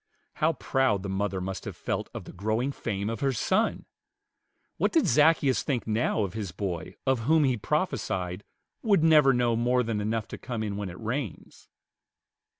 How proud the mother must have felt of the growing fame of her son! What did Zaccheus think now of his boy of whom he prophesied "would never know more than enough to come in when it rains"?